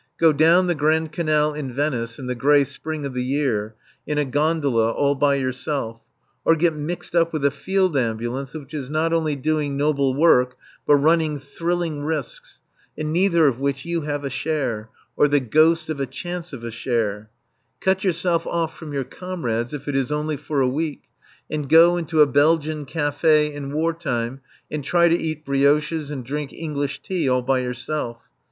Go down the Grand Canal in Venice in the grey spring of the year, in a gondola, all by yourself. Or get mixed up with a field ambulance which is not only doing noble work but running thrilling risks, in neither of which you have a share, or the ghost of a chance of a share; cut yourself off from your comrades, if it is only for a week, and go into a Belgian café in war time and try to eat brioches and drink English tea all by yourself.